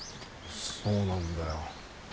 そうなんだよ。